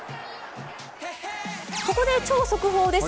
ここで超速報です。